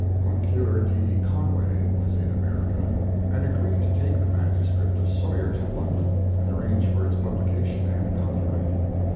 Moncure D. Conway was in America, and agreed to take the manuscript of Sawyer to London and arrange for its publication and copyright.